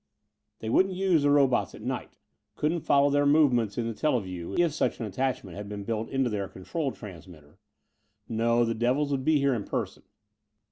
They wouldn't use the robots at night. Couldn't follow their movements in the teleview, if such an attachment had been built into their control transmitter. No, the devils would be here in person.